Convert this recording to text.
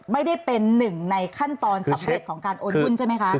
ไม่ได้เป็นหนึ่งในขั้นตอนสำเร็จของการโอนหุ้นใช่ไหมคะ